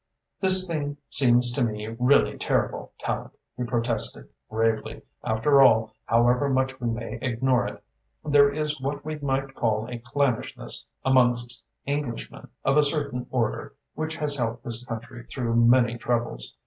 "This thing seems to me really terrible, Tallente," he protested gravely. "After all, however much we may ignore it, there is what we might call a clannishness amongst Englishmen of a certain order which has helped this country through many troubles.